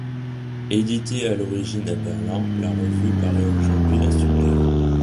Éditée à l'origine à Berlin, la revue paraît aujourd'hui à Stuttgart.